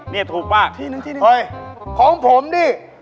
นี่ถูกปะที่นึงเฮ่ยของผมดิ